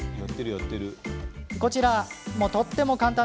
こちらも、とっても簡単。